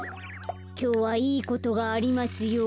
きょうはいいことがありますように。